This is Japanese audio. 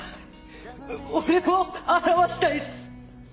俺も表したいっす！